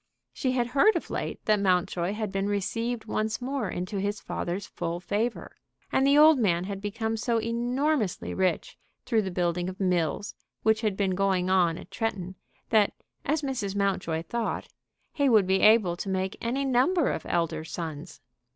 She had heard of late that Mountjoy had been received once more into his father's full favor. And the old man had become so enormously rich through the building of mills which had been going on at Tretton, that, as Mrs. Mountjoy thought, he would be able to make any number of elder sons.